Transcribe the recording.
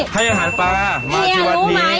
ให้อาหารปลามาที่วัดนี้